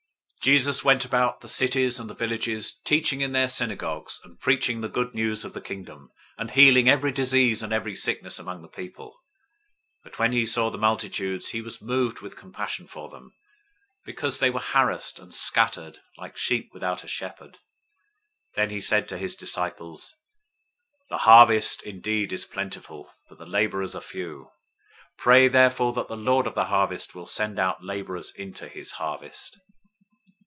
009:035 Jesus went about all the cities and the villages, teaching in their synagogues, and preaching the Good News of the Kingdom, and healing every disease and every sickness among the people. 009:036 But when he saw the multitudes, he was moved with compassion for them, because they were harassed{TR reads "weary" instead of "harassed"} and scattered, like sheep without a shepherd. 009:037 Then he said to his disciples, "The harvest indeed is plentiful, but the laborers are few. 009:038 Pray therefore that the Lord of the harvest will send out laborers into his harvest."